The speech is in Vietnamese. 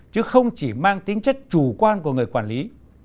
chứ không chỉ mang tính chất chủ quan của người quản lý